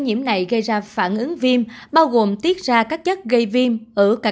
nhiễm này gây ra phản ứng viêm bao gồm tiết ra các chất gây viêm ở cả các ca covid một mươi chín nặng